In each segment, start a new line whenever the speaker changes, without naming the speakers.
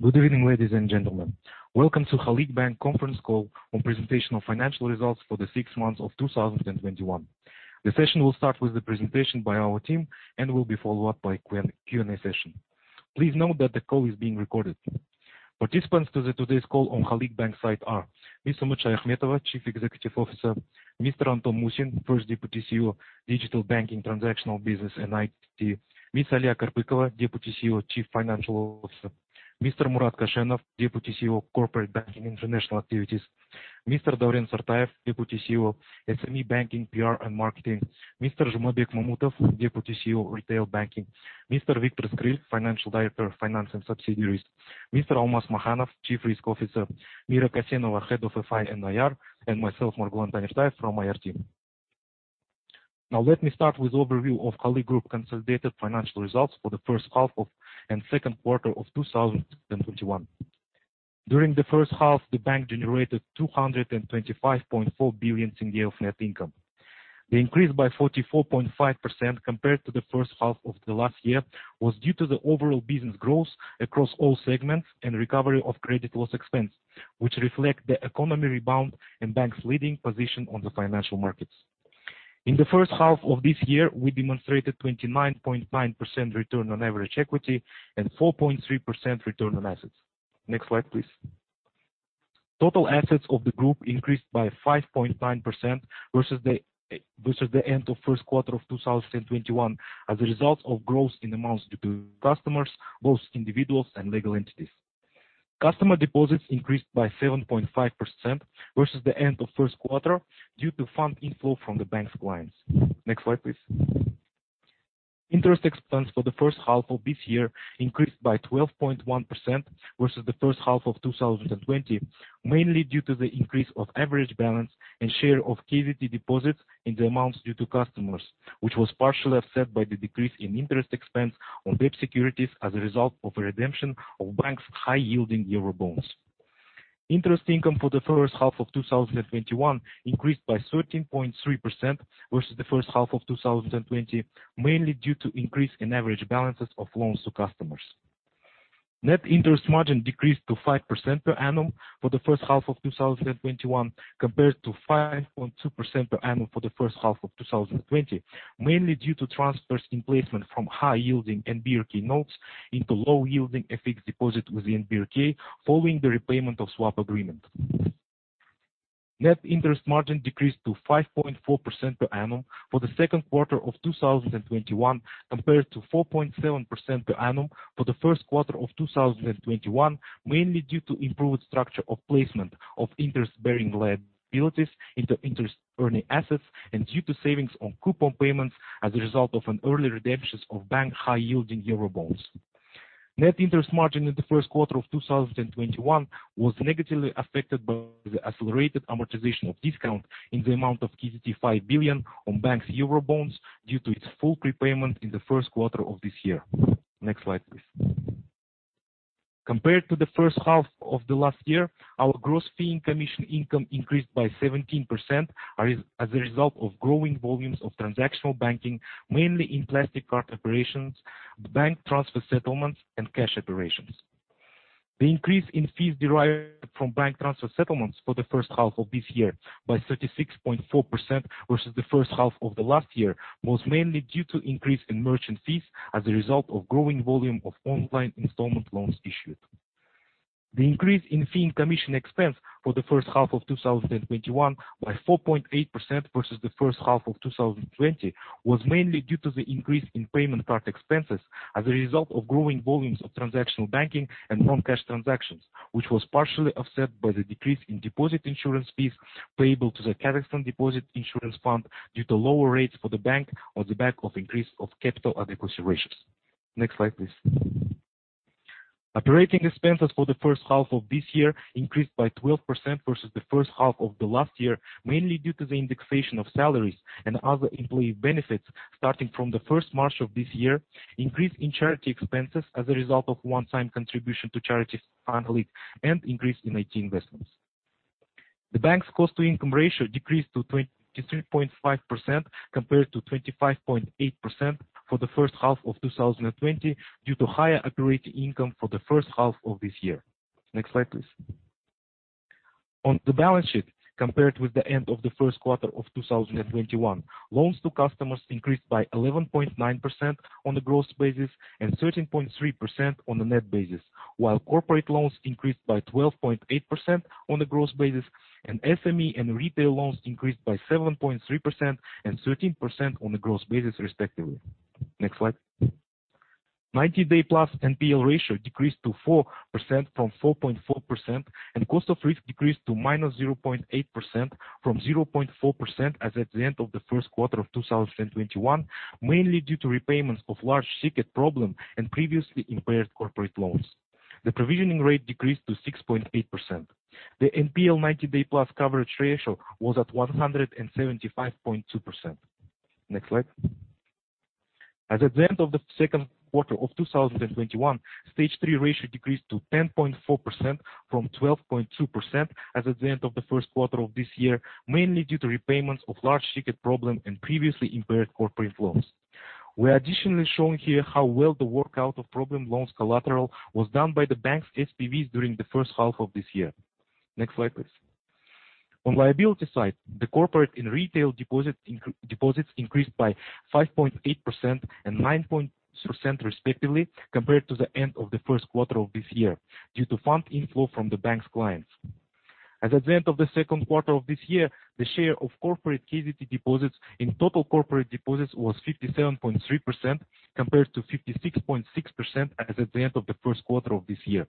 Good evening, ladies and gentlemen. Welcome to Halyk Bank conference call on presentation of financial results for the six months of 2021. The session will start with the presentation by our team and will be followed up by Q&A session. Please note that the call is being recorded. Participants to today's call on Halyk Bank side are Ms. Umut Shayakhmetova, Chief Executive Officer, Mr. Anton Musin, First Deputy CEO, Digital Banking, Transactional Business, and IT, Ms. Aliya Karpykova, Deputy CEO, Chief Financial Officer, Mr. Murat Koshenov, Deputy CEO, Corporate Banking, International Activities, Mr. Dauren Sartayev, Deputy CEO, SME Banking, PR, and Marketing, Mr. Zhumabek Mamutov, Deputy CEO, Retail Banking, Mr. Viktor Skryl, Financial Director, Finance and Subsidiaries, Mr. Almas Makhanov, Chief Risk Officer, Mira Kassenova, Head of FI & IR, and myself, Margulan Tanirtayev from IR team. Let me start with overview of Halyk Group consolidated financial results for the first half and second quarter of 2021. During the first half, the bank generated KZT 225.4 billion in year of net income. The increase by 44.5% compared to the first half of the last year was due to the overall business growth across all segments and recovery of credit loss expense, which reflect the economy rebound and bank's leading position on the financial markets. In the first half of this year, we demonstrated 29.9% return on average equity and 4.3% return on assets. Next slide, please. Total assets of the group increased by 5.9% versus the end of first quarter of 2021 as a result of growth in amounts due to customers, both individuals and legal entities. Customer deposits increased by 7.5% versus the end of first quarter due to fund inflow from the bank's clients. Next slide, please. Interest expense for the first half of this year increased by 12.1% versus the first half of 2020, mainly due to the increase of average balance and share of KZT deposits in the amounts due to customers, which was partially offset by the decrease in interest expense on debt securities as a result of a redemption of bank's high-yielding eurobonds. Interest income for the first half of 2021 increased by 13.3% versus the first half of 2020, mainly due to increase in average balances of loans to customers. Net interest margin decreased to 5% per annum for the first half of 2021 compared to 5.2% per annum for the first half of 2020, mainly due to transfers in placement from high yielding NBRK notes into low yielding FX deposit with the NBRK following the repayment of swap agreement. Net interest margin decreased to 5.4% per annum for the second quarter of 2021 compared to 4.7% per annum for the first quarter of 2021, mainly due to improved structure of placement of interest-bearing liabilities into interest-earning assets and due to savings on coupon payments as a result of an early redemptions of bank high yielding Eurobonds. Net interest margin in the first quarter of 2021 was negatively affected by the accelerated amortization of discount in the amount of KZT 5 billion on bank's Eurobonds due to its full prepayment in the first quarter of this year. Next slide, please. Compared to the first half of the last year, our gross fee and commission income increased by 17% as a result of growing volumes of transactional banking, mainly in plastic card operations, bank transfer settlements, and cash operations. The increase in fees derived from bank transfer settlements for the first half of this year by 36.4% versus the first half of the last year was mainly due to increase in merchant fees as a result of growing volume of online installment loans issued. The increase in fee and commission expense for the first half of 2021 by 4.8% versus the first half of 2020 was mainly due to the increase in payment card expenses as a result of growing volumes of transactional banking and non-cash transactions, which was partially offset by the decrease in deposit insurance fees payable to the Kazakhstan Deposit Insurance Fund due to lower rates for the bank on the back of increase of capital adequacy ratios. Next slide, please. Operating expenses for the first half of this year increased by 12% versus the first half of the last year, mainly due to the indexation of salaries and other employee benefits starting from the 1st March of this year, increase in charity expenses as a result of one-time contribution to charities on Halyk, and increase in IT investments. The bank's cost-to-income ratio decreased to 23.5% compared to 25.8% for the first half of 2020 due to higher operating income for the first half of this year. Next slide, please. On the balance sheet, compared with the end of the first quarter of 2021, loans to customers increased by 11.9% on a gross basis and 13.3% on a net basis, while corporate loans increased by 12.8% on a gross basis, and SME and retail loans increased by 7.3% and 13% on a gross basis, respectively. Next slide. 90-day plus NPL ratio decreased to 4% from 4.4%, and cost of risk decreased to -0.8% from 0.4% as at the end of the 1st quarter of 2021, mainly due to repayments of large ticket problem and previously impaired corporate loans. The provisioning rate decreased to 6.8%. The NPL 90-day plus coverage ratio was at 175.2%. Next slide. As at the end of the 2nd quarter of 2021, stage three ratio decreased to 10.4% from 12.2% as at the end of the 1st quarter of this year, mainly due to repayments of large ticket problem and previously impaired corporate loans. We are additionally showing here how well the workout of problem loans collateral was done by the bank's SPVs during the 1st half of this year. Next slide, please. On liability side, the corporate and retail deposits increased by 5.8% and 9% respectively, compared to the end of the first quarter of this year, due to fund inflow from the bank's clients. As at the end of the second quarter of this year, the share of corporate KZT deposits in total corporate deposits was 57.3%, compared to 56.6% as at the end of the first quarter of this year.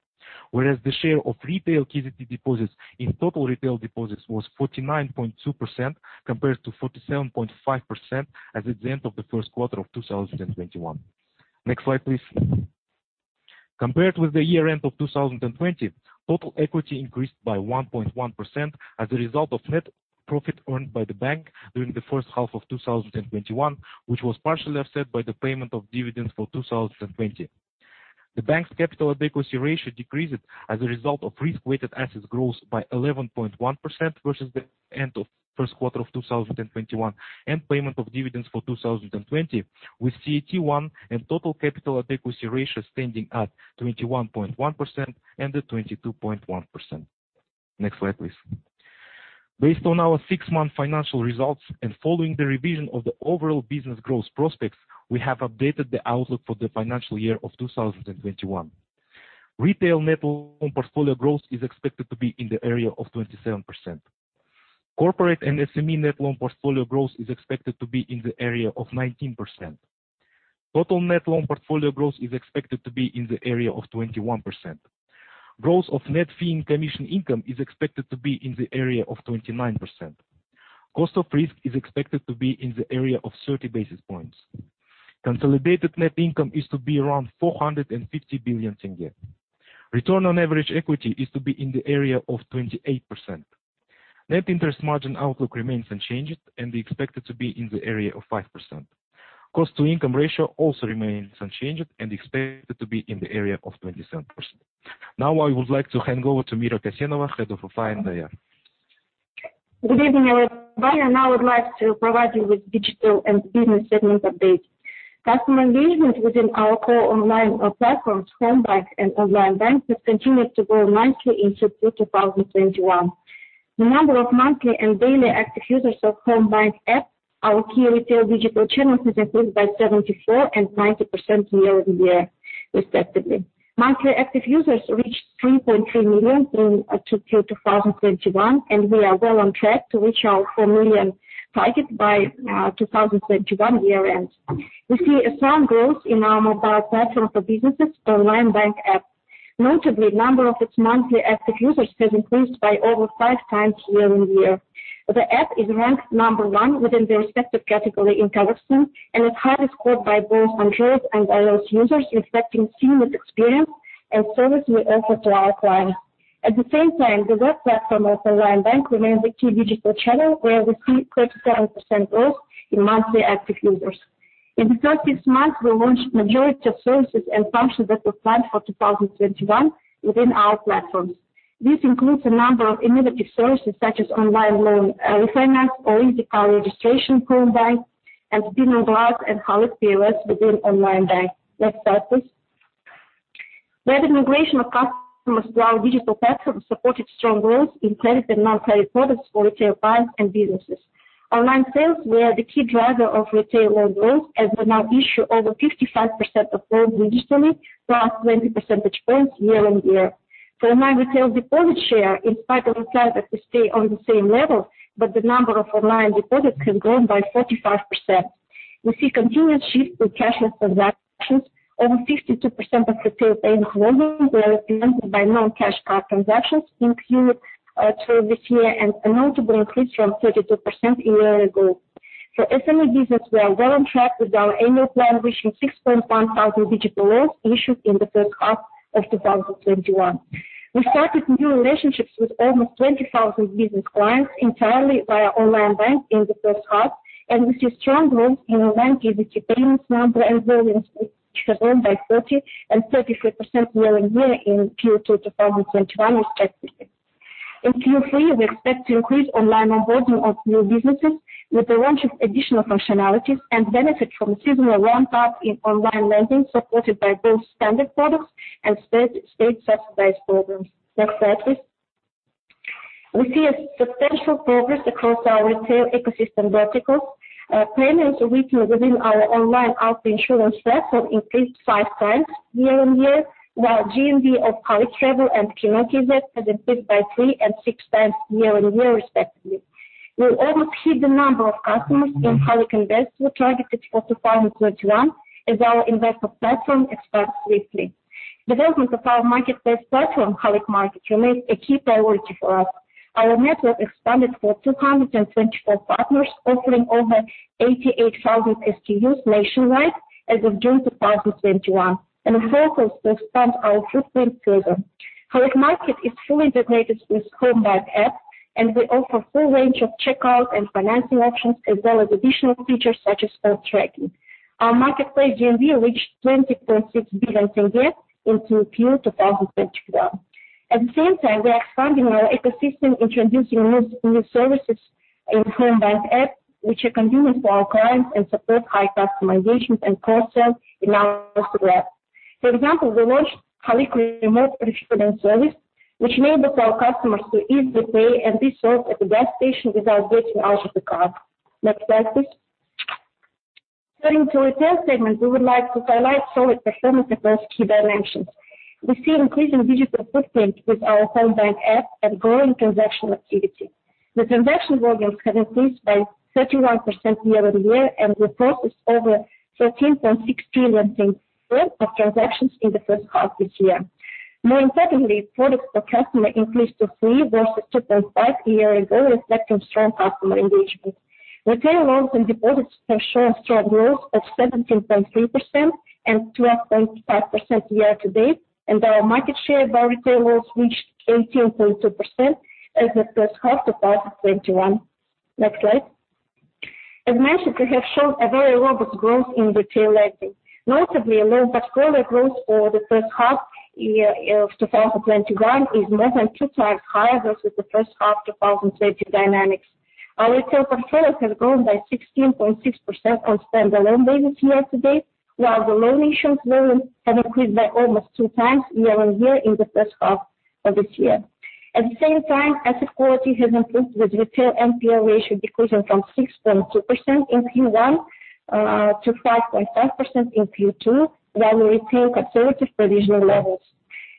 The share of retail KZT deposits in total retail deposits was 49.2%, compared to 47.5% as at the end of the first quarter of 2021. Next slide, please. Compared with the year-end of 2020, total equity increased by 1.1% as a result of net profit earned by the bank during the first half of 2021, which was partially offset by the payment of dividends for 2020. The bank's capital adequacy ratio decreased as a result of risk-weighted assets growth by 11.1% versus the end of the first quarter of 2021 and payment of dividends for 2020, with CET1 and total capital adequacy ratio standing at 21.1% and at 22.1%. Next slide, please. Based on our six-month financial results and following the revision of the overall business growth prospects, we have updated the outlook for the financial year of 2021. Retail net loan portfolio growth is expected to be in the area of 27%. Corporate and SME net loan portfolio growth is expected to be in the area of 19%. Total net loan portfolio growth is expected to be in the area of 21%. Growth of net fee and commission income is expected to be in the area of 29%. Cost of risk is expected to be in the area of 30 basis points. Consolidated net income is to be around KZT 450 billion. Return on average equity is to be in the area of 28%. Net interest margin outlook remains unchanged and is expected to be in the area of 5%. Cost-to-income ratio also remains unchanged and expected to be in the area of 27%. Now I would like to hand over to Mira Kassenova, Head of FI&IR.
Good evening, everybody. I would like to provide you with digital and business segment updates. Customer engagement within our core online platforms, Homebank and Onlinebank, has continued to grow monthly in Q2 2021. The number of monthly and daily active users of Homebank app, our key retail digital channel, has increased by 74% and 90% year-on-year, respectively. Monthly active users reached 3.3 million in Q2 2021, and we are well on track to reach our 4 million target by 2021 year-end. We see a strong growth in our mobile platform for businesses, Onlinebank app. Notably, number of its monthly active users has increased by over five times year-on-year. The app is ranked number one within the respective category in Kazakhstan and is highly scored by both Android and iOS users, reflecting seamless experience and service we offer to our clients. At the same time, the web platform of Onlinebank remains a key digital channel, where we see 37% growth in monthly active users. In the 30th month, we launched majority of services and functions that we planned for 2021 within our platforms. This includes a number of innovative services such as online loan refinance or e-car registration through Homebank, and Speeding Block and Halyk POS within Onlinebank. Next slide, please. Web migration of customers to our digital platform supported strong growth in credit and non-credit products for retail clients and businesses. Online sales were the key driver of retail loan growth, as we now issue over 55% of loans digitally, plus 20 percentage points year-on-year. For online retail deposit share, in spite of the fact that we stay on the same level, but the number of online deposits has grown by 45%. We see continuous shift to cashless transactions. Over 52% of retail payment volume were implemented by non-cash card transactions in Q2 of this year, and a notable increase from 32% a year ago. For SME business, we are well on track with our annual plan, reaching 6,100 digital loans issued in the first half of 2021. We started new relationships with almost 20,000 business clients entirely via Onlinebank in the first half, and we see strong growth in Online KZT payments number and volumes, which have grown by 30% and 33% year-on-year in Q2 2021, respectively. In Q3, we expect to increase online onboarding of new businesses with the launch of additional functionalities and benefit from a seasonal ramp-up in online lending, supported by both standard products and state-subsidized programs. Next slide, please. We see a substantial progress across our retail ecosystem verticals. Payments within our online auto insurance platform increased 5x year-on-year, while GMV of Halyk Travel and Kino.kz app has increased by 3x and 6x year-on-year, respectively. We almost hit the number of customers in Halyk Invest we targeted for 2021, as our investor platform expands swiftly. Development of our marketplace platform, Halyk Market, remains a key priority for us. Our network expanded to 224 partners, offering over 88,000 SKUs nationwide as of June 2021, and we're focused to expand our footprint further. Halyk Market is fully integrated with Halyk Homebank app, and we offer full range of checkout and financing options, as well as additional features such as order tracking. Our marketplace GMV reached KZT 20.6 billion in Q2 2021. At the same time, we are expanding our ecosystem, introducing new services in Homebank app, which are convenient for our clients and support high customer engagement and cross-sell in our [ecosystem]. For example, we launched Halyk Remote Refillment Service, which enables our customers to easily pay and be served at the gas station without getting out of the car. Next slide, please. Turning to retail segment, we would like to highlight solid performance across key dimensions. We see increasing digital footprint with our Homebank app and growing transaction activity. The transaction volumes have increased by 31% year-over-year and we processed over KZT 13.6 trillion of transactions in the first half this year. More importantly, products per customer increased to three versus two point five a year ago, reflecting strong customer engagement. Retail loans and deposits are showing strong growth of 17.3% and 12.5% year to date, our market share by retail loans reached 18.2% as of first half 2021. Next slide. As mentioned, we have shown a very robust growth in retail lending. Notably, loan portfolio growth for the first half year of higher versus the first half 2020 dynamics. Our retail portfolio has grown by 16.6% on standalone basis year to date, while the loan issuance volumes have increased by almost 2x year-on-year in the first half of this year. At the same time, asset quality has improved with retail NPL ratio decreasing from 6.2% in Q1 to 5.5% in Q2, while we maintain conservative provision levels.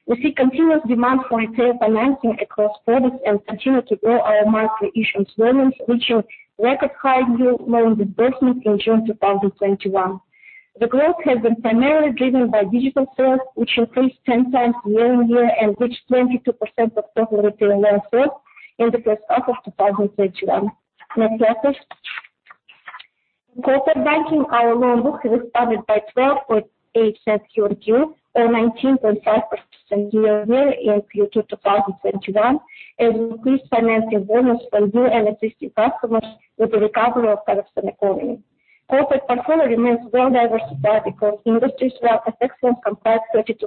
We see continuous demand for retail financing across products and continue to grow our market issuance volumes, reaching record high new loan disbursements in June 2021. The growth has been primarily driven by digital sales, which increased 10x year-on-year and reached 22% of total retail loan sales in the first half of 2021. Next slide, please. In corporate banking, our loan book has expanded by 12.8% QoQ or 19.5% year-over-year in Q2 2021, as we increased financing volumes for new and existing customers with the recovery of Kazakhstan economy. Corporate portfolio remains well diversified because industries were affected and comprise 32%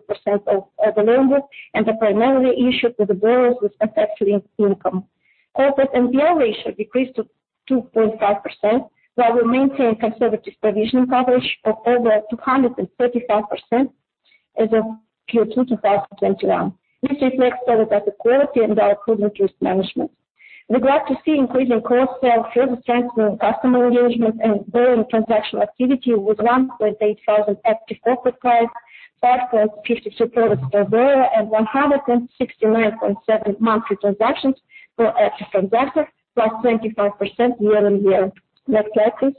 of the loan book and are primarily issued to the borrowers with affected income. Corporate NPL ratio decreased to 2.5%, while we maintain conservative provision coverage of over 235% as of Q2 2021, which reflects solid asset quality and our prudent risk management. We're glad to see increasing cross-sell, further strengthening customer engagement and growing transactional activity with 1,800 active corporate clients, 5.52 products per borrower and 169.7 monthly transactions per active transactor, plus 25% year-over-year. Next slide, please.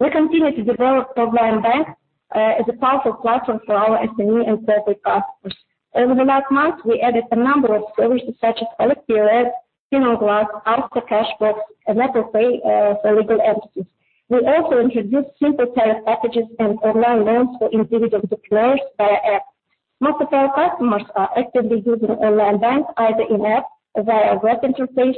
We continue to develop Onlinebank as a powerful platform for our SME and corporate customers. Over the last month, we added a number of services such as Halyk Pay, Signal Glass, Aska Cashbox, and Apple Pay for legal entities. We also introduced simple tariff packages and online loans for individual depositors via app. Most of our customers are actively using Onlinebank, either in app via web interface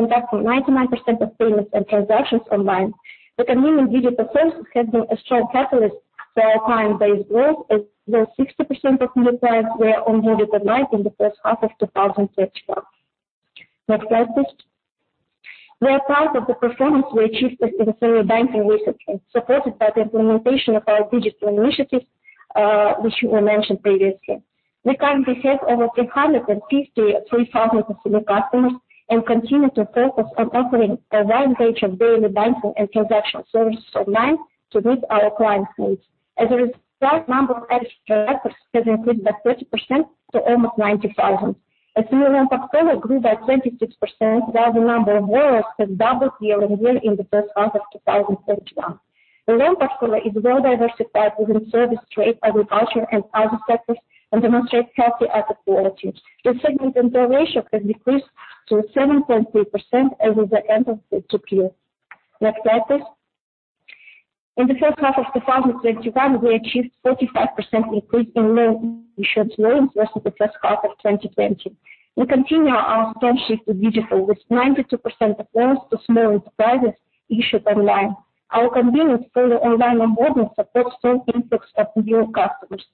and that's for 99% of payments and transactions online. The convenient digital performance has been a strong catalyst for our client base growth, as well, 60% of new clients were onboarded online in the first half of 2021. Next slide, please. Where part of the performance were achieved in consumer banking recently, supported by the implementation of our digital initiatives, which were mentioned previously. We currently have over 353,000 consumer customers and continue to focus on offering a wide range of daily banking and transactional services online to meet our clients' needs. As a result, number of active transactors has increased by 30% to almost 90,000. Consumer loan portfolio grew by 26%, while the number of borrowers has doubled year-on-year in the first half of 2021. The loan portfolio is well diversified within service, trade, agriculture and other sectors and demonstrates healthy asset quality. The segment NPL ratio has decreased to 7.3% as of the end of the Q2. Next slide, please. In the first half of 2021, we achieved 45% increase in loan issuance volumes versus the first half of 2020. We continue our strong shift to digital, with 92% of loans to small enterprises issued online. Our convenient solo online onboarding supports strong influx of new customers.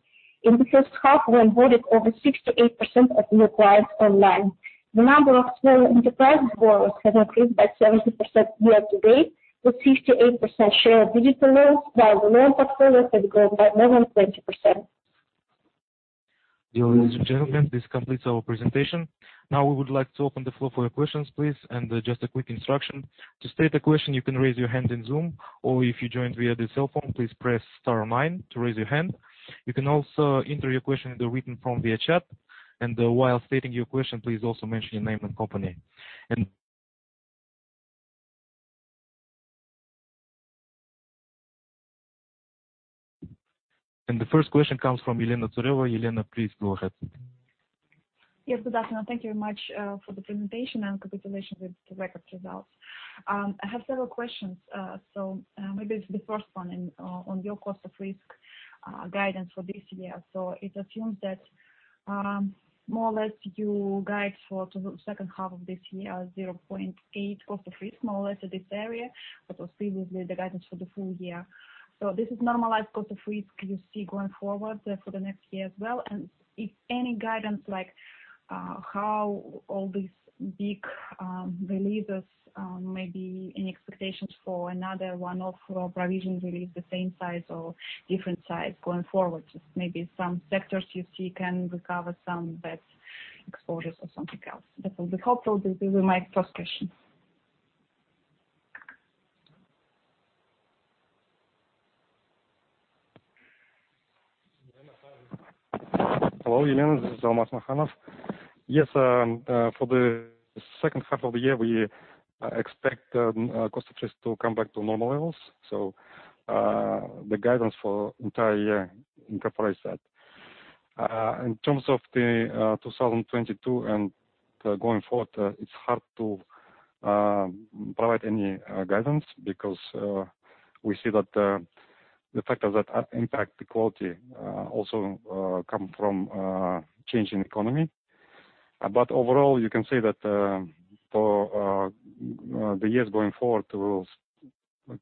In the first half, we onboarded over 68% of new clients online. The number of small enterprise borrowers has increased by 70% year to date, with 58% share of digital loans while the loan portfolio has grown by more than 20%.
Ladies and gentlemen, this completes our presentation. Now we would like to open the floor for your questions, please. Just a quick instruction. To state a question, you can raise your hand in Zoom, or if you joined via the cell phone, please press star nine to raise your hand. You can also enter your question in the written form via chat, and while stating your question, please also mention your name and company. The first question comes from Elena Tsareva. Elena, please go ahead.
Yes. Good afternoon. Thank you very much for the presentation and congratulations with the record results. I have several questions. Maybe the first one on your cost of risk guidance for this year. It assumes that more or less you guide for the second half of this year, 0.8% cost of risk, more or less at this area. That was previously the guidance for the full year. This is normalized cost of risk you see going forward for the next year as well, and if any guidance like how all these big releases maybe any expectations for another one of provision release the same size or different size going forward, maybe some sectors you see can recover some bad exposures or something else. That will be helpful. This is my first question.
Hello, Elena. This is Almas Makhanov. Yes, for the second half of the year, we expect cost of risk to come back to normal levels. The guidance for entire year incorporates that. In terms of the 2022 and going forward, it is hard to provide any guidance because we see that the factors that impact the quality also come from change in economy. Overall, you can say that for the years going forward, we will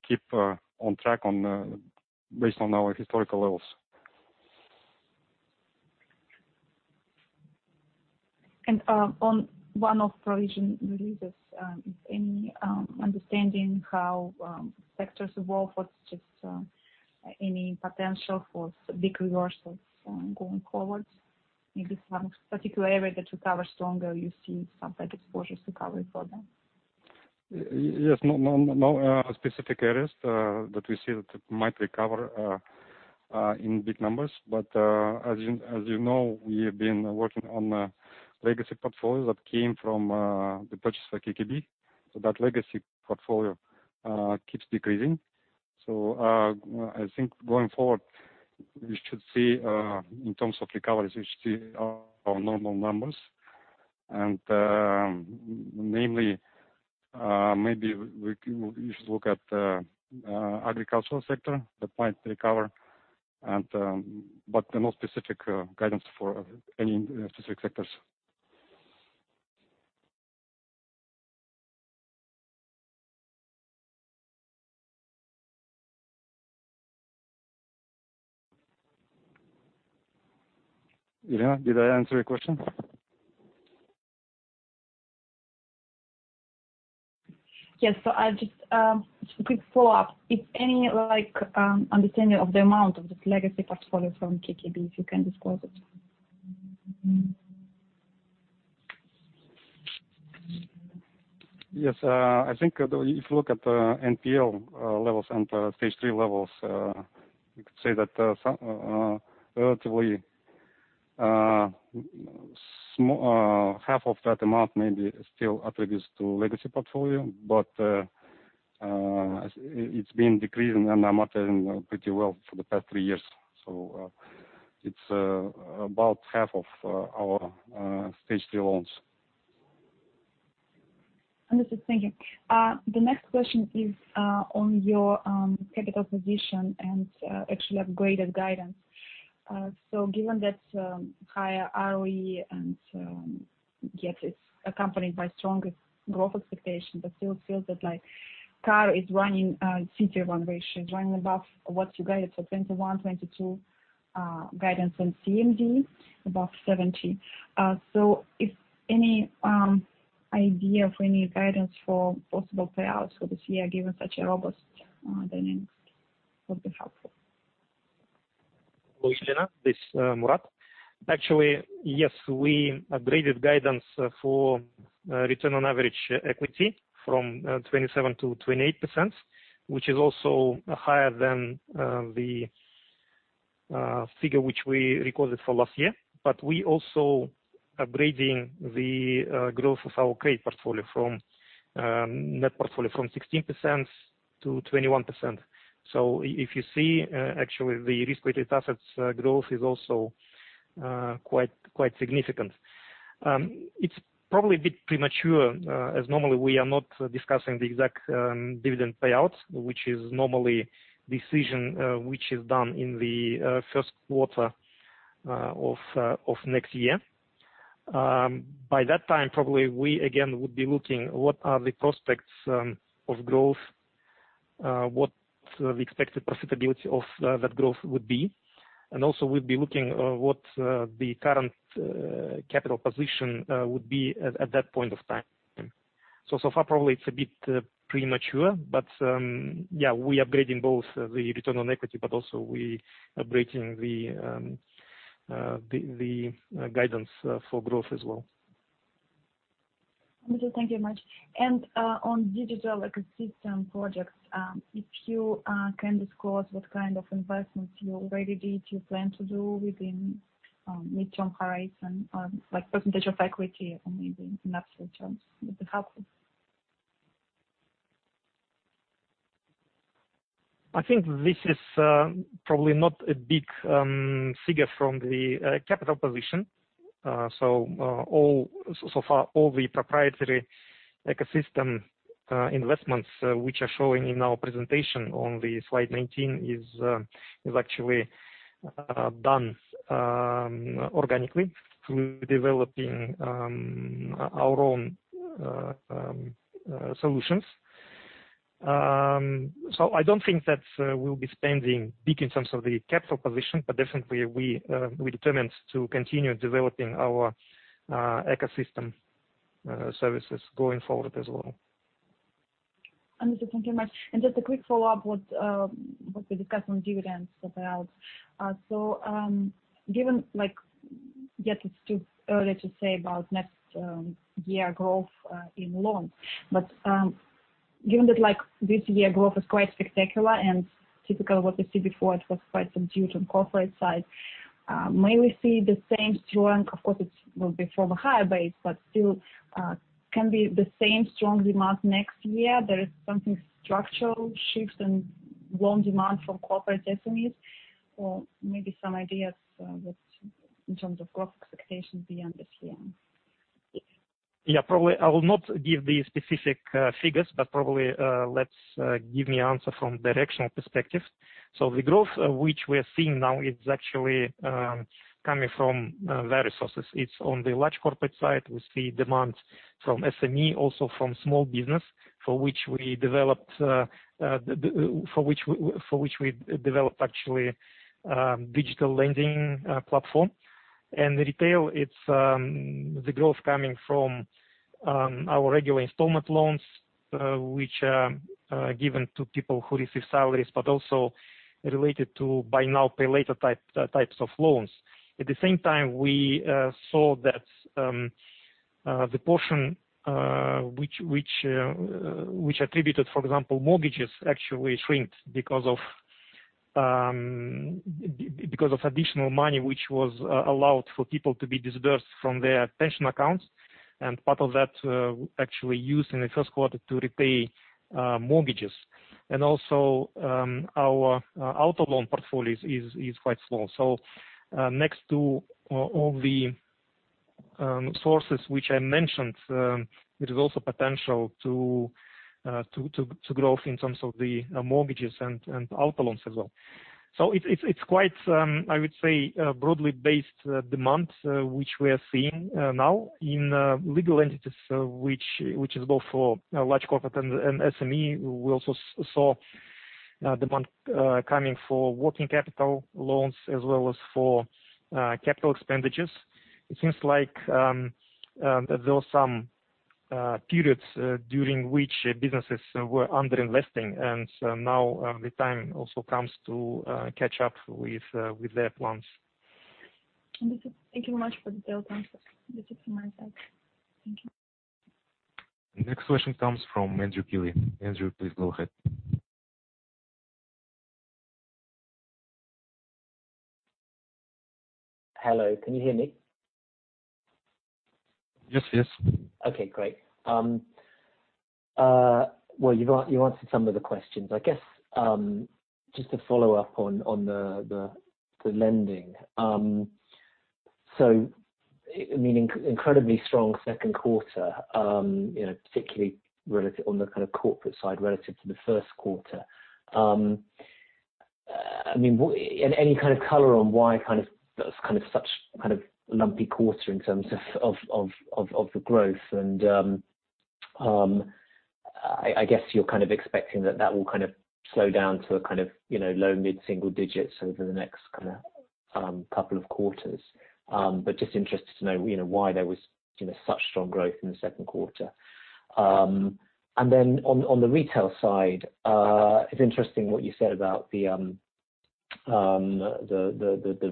keep on track based on our historical levels.
On one of provision releases, any understanding how sectors evolve or it's just any potential for big reversals going forward? Maybe some particular area that recover stronger, you see some exposures recovery for them.
Yes. No specific areas that we see that might recover in big numbers. As you know, we have been working on a legacy portfolio that came from the purchase of [Kazkommertsbank]. That legacy portfolio keeps decreasing. I think going forward, you should see in terms of recoveries, you should see our normal numbers. Namely, maybe you should look at agricultural sector that might recover. No specific guidance for any specific sectors. Elena, did I answer your question?
Yes. Just a quick follow-up. If any understanding of the amount of this legacy portfolio from Kazkommertsbank, if you can disclose it?
Yes. I think if you look at the NPL levels and Stage 3 levels, you could say that relatively half of that amount may be still attributes to legacy portfolio, but it's been decreasing and maturing pretty well for the past three years. It's about half of our Stage 3 loans.
Understood. Thank you. The next question is on your capital position and actually upgraded guidance. Given that higher ROE and yet it's accompanied by stronger growth expectations, but still feels that like CAR is running CET1 ratio is running above what you guided for 2021, 2022 guidance on CMD above 70%. If any idea of any guidance for possible payouts for this year, given such a robust dynamic would be helpful.
Hello, Elena. This Murat. Yes, we upgraded guidance for return on average equity from 27% to 28%, which is also higher than the figure which we recorded for last year. We also upgrading the growth of our credit portfolio from net portfolio from 16% to 21%. If you see actually the risk-weighted assets growth is also quite significant. It's probably a bit premature as normally we are not discussing the exact dividend payout, which is normally decision which is done in the first quarter of next year. By that time, probably we again would be looking what are the prospects of growth, what the expected profitability of that growth would be, and also we'd be looking what the current capital position would be at that point of time. Far probably it's a bit premature, but yeah, we upgrading both the return on equity, but also we upgrading the guidance for growth as well.
Understood. Thank you very much. On digital ecosystem projects, if you can disclose what kind of investments you already did, you plan to do within mid-term horizon, like percentage of equity or maybe in absolute terms would be helpful?
I think this is probably not a big figure from the capital position. So far, all the proprietary ecosystem investments which are showing in our presentation on slide 19 is actually done organically through developing our own solutions. I don't think that we'll be spending big in terms of the capital position, but definitely we are determined to continue developing our ecosystem services going forward as well.
Understood. Thank you much. Just a quick follow-up with what we discussed on dividends as well. Given that it's still early to say about next year growth in loans, but given that this year growth is quite spectacular and typical what we see before, it was quite subdued on corporate side. May we see the same strong, of course, it will be from a higher base, but still can be the same strong demand next year? There is something structural shifts in loan demand from corporate SMEs, or maybe some ideas in terms of growth expectations beyond this year.
Probably I will not give the specific figures, probably let's give the answer from directional perspective. The growth which we are seeing now is actually coming from various sources. It's on the large corporate side. We see demand from SME, also from small business for which we developed actually digital lending platform. Retail, it's the growth coming from our regular installment loans, which are given to people who receive salaries, but also related to buy now, pay later types of loans. At the same time, we saw that the portion which attributed, for example, mortgages actually shrink because of additional money, which was allowed for people to be disbursed from their pension accounts. Part of that actually used in the first quarter to repay mortgages. Our auto loan portfolio is quite small. Next to all the sources which I mentioned, it is also potential to growth in terms of the mortgages and auto loans as well. It's quite, I would say, broadly based demand, which we are seeing now in legal entities, which is both for large corporate and SME. We also saw demand coming for working capital loans as well as for capital expenditures. It seems like there were some periods during which businesses were under-investing, now the time also comes to catch up with their plans.
Understood. Thank you very much for detail answers. That's it from my side. Thank you.
The next question comes from Andrew Keeley. Andrew, please go ahead.
Hello, can you hear me?
Yes.
Okay, great. Well, you answered some of the questions. I guess, just to follow up on the lending. Incredibly strong 2Q, particularly on the corporate side relative to the 1Q. Any kind of color on why such lumpy quarter in terms of the growth? I guess you're kind of expecting that that will slow down to a low mid-single-digits over the next couple of quarters. Just interested to know why there was such strong growth in the 2Q. On the retail side, it's interesting what you said about the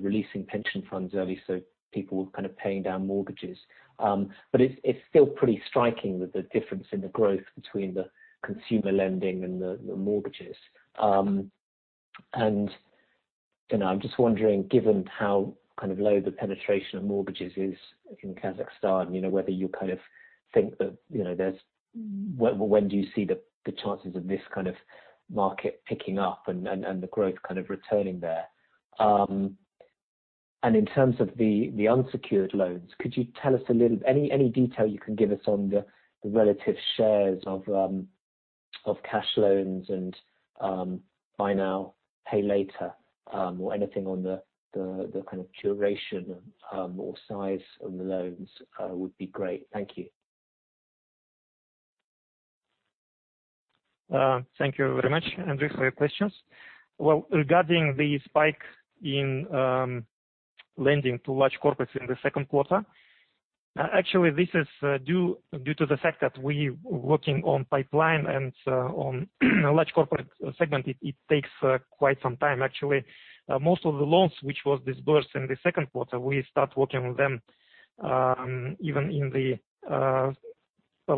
releasing pension funds early, so people were paying down mortgages. It's still pretty striking with the difference in the growth between the consumer lending and the mortgages. I'm just wondering, given how low the penetration of mortgages is in Kazakhstan, when do you see the chances of this kind of market picking up and the growth returning there? In terms of the unsecured loans, could you tell us a little, any detail you can give us on the relative shares of cash loans and buy now, pay later, or anything on the kind of curation or size of the loans would be great. Thank you.
Thank you very much, Andrew, for your questions. Well, regarding the spike in lending to large corporates in the second quarter, actually this is due to the fact that we working on pipeline and on large corporate segment, it takes quite some time, actually. Most of the loans which was disbursed in the second quarter, we start working on them even in the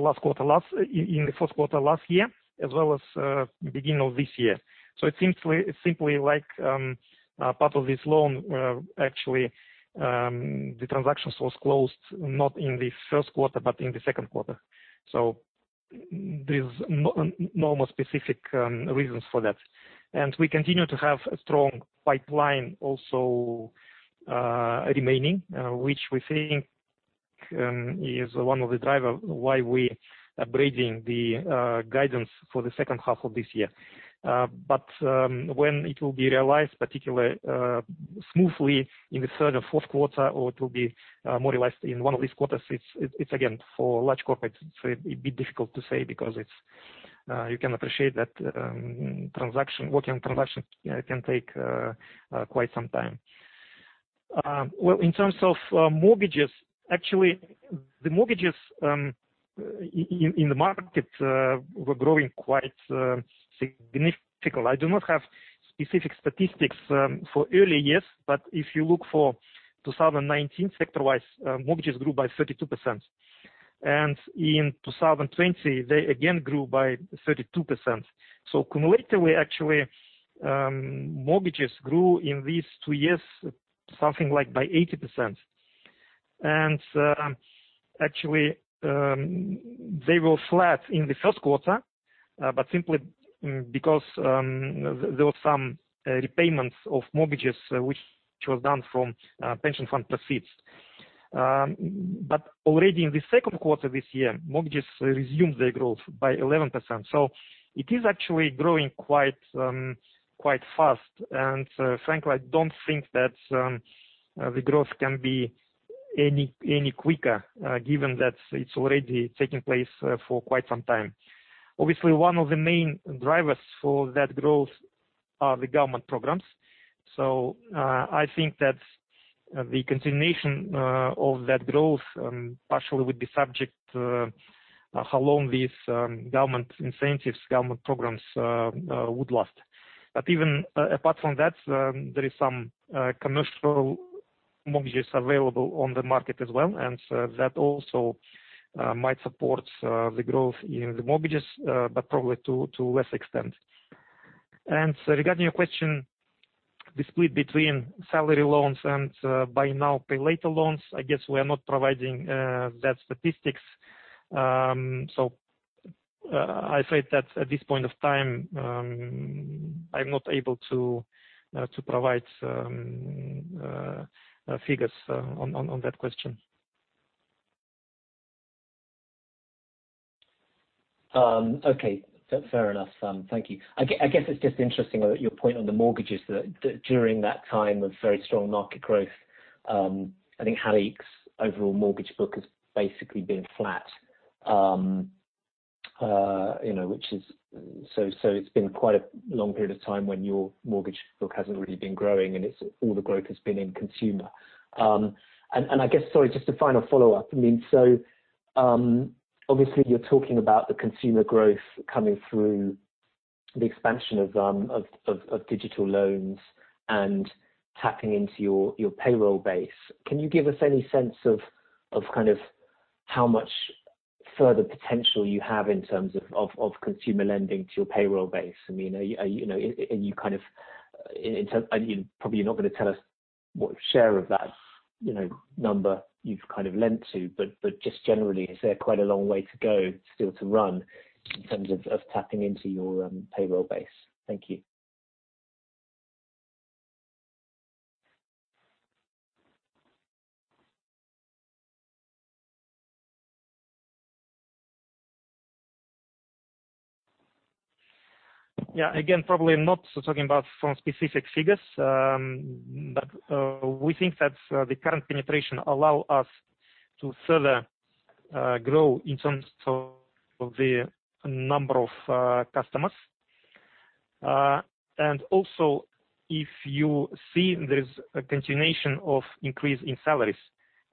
first quarter last year as well as beginning of this year. It's simply like part of this loan, actually, the transactions was closed not in the first quarter but in the second quarter. There's no more specific reasons for that. We continue to have a strong pipeline also remaining, which we think is one of the driver why we are raising the guidance for the second half of this year. When it will be realized, particularly smoothly in the third or fourth quarter, or it will be more realized in one of these quarters, it's again, for large corporates, it'd be difficult to say because you can appreciate that working on transaction can take quite some time. Well, in terms of mortgages, actually, the mortgages in the market were growing quite significantly. I do not have specific statistics for early years, but if you look for 2019 sector-wise, mortgages grew by 32%. In 2020, they again grew by 32%. Cumulatively, actually, mortgages grew in these two years something like by 80%. Actually, they were flat in the first quarter, simply because there were some repayments of mortgages which was done from pension fund proceeds. Already in the second quarter this year, mortgages resumed their growth by 11%. It is actually growing quite fast. Frankly, I don't think that the growth can be any quicker, given that it's already taking place for quite some time. Obviously, one of the main drivers for that growth are the government programs. I think that the continuation of that growth partially would be subject to how long these government incentives, government programs would last. Even apart from that, there is some commercial mortgages available on the market as well, and so that also might support the growth in the mortgages, but probably to a lesser extent. Regarding your question, the split between salary loans and buy now, pay later loans, I guess we are not providing that statistics. I'm afraid that at this point of time, I'm not able to provide figures on that question.
Okay. Fair enough. Thank you. I guess it's just interesting your point on the mortgages that during that time of very strong market growth, I think Halyk's overall mortgage book has basically been flat. It's been quite a long period of time when your mortgage book hasn't really been growing, and all the growth has been in consumer. I guess, sorry, just a final follow-up. Obviously you're talking about the consumer growth coming through the expansion of digital loans and tapping into your payroll base. Can you give us any sense of how much further potential you have in terms of consumer lending to your payroll base? Probably you're not going to tell us what share of that number you've lent to, just generally, is there quite a long way to go still to run in terms of tapping into your payroll base? Thank you.
Again, probably I'm not talking about some specific figures, but we think that the current penetration allow us to further grow in terms of the number of customers. Also, if you see there's a continuation of increase in salaries.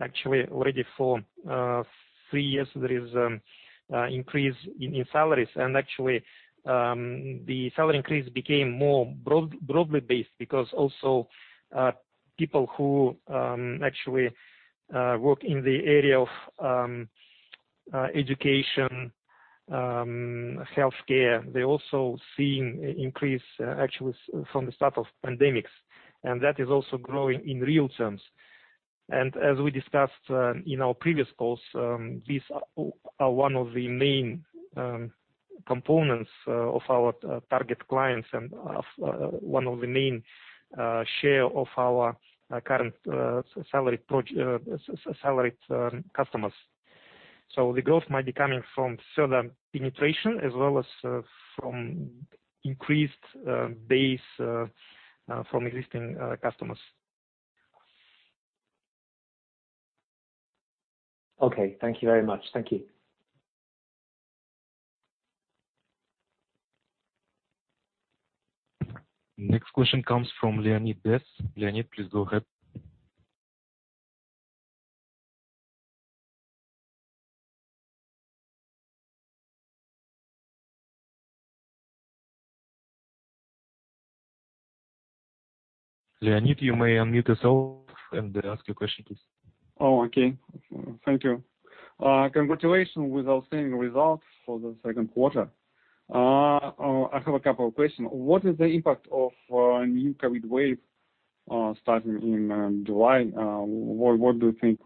Actually, already for three years, there is increase in salaries. Actually, the salary increase became more broadly based because also people who actually work in the area of education, healthcare, they're also seeing increase, actually from the start of pandemic, and that is also growing in real terms. As we discussed in our previous calls, these are one of the main components of our target clients and one of the main share of our current salaried customers. The growth might be coming from further penetration as well as from increased base from existing customers.
Okay. Thank you very much. Thank you.
Next question comes from Leonid Bez. Leonid, please go ahead. Leonid, you may unmute yourself and ask your question, please.
Oh, okay. Thank you. Congratulations with outstanding results for the second quarter. I have a couple of questions. What is the impact of new COVID wave starting in July? What do you think